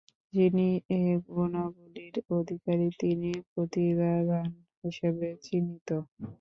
যিনি এ গুণাবলীর অধিকারী তিনি প্রতিভাবান হিসেবে চিহ্নিত।